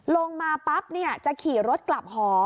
ลงมาปั๊บจะขี่รถกลับหอ